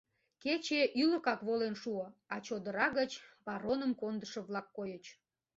Кече ӱлыкак волен шуо, а чодыра гыч бароным кондышо-влак койыч.